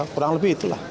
kurang lebih itulah